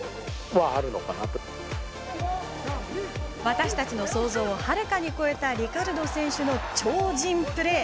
私たちの想像をはるかに超えたリカルド選手の超人プレー！